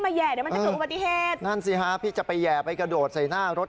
จะเป็นอุบัติเหตุนั่นสิฮะพี่จะไปแย่ไปกระโดดใส่หน้ารถ